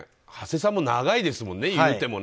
馳さんも長いですもんね。